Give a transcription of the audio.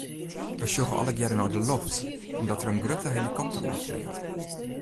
We sjogge allegearre nei de loft omdat der in grutte helikopter oerfleant.